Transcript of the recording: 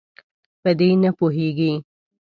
په دې نه پوهیږي.